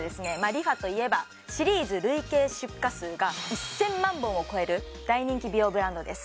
いえばシリーズ累計出荷数が１０００万本を超える大人気美容ブランドです